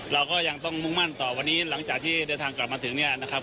เราก็ยังต้องมุ่งมั่นต่อวันนี้หลังจากที่เดินทางกลับมาถึงเนี่ยนะครับ